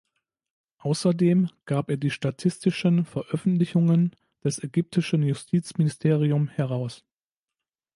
Außerdem gab er die statistischen Veröffentlichungen des ägyptischen Justizministerium heraus.